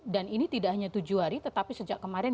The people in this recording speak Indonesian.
dan ini tidak hanya tujuh hari tetapi sejak kemarin